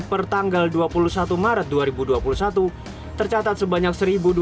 per tanggal dua puluh satu maret dua ribu dua puluh satu tercatat sebanyak satu dua ratus